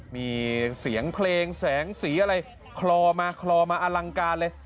มีเสียงเพลงแสงสีอะไรคลอมาคลอมาอลังการเลย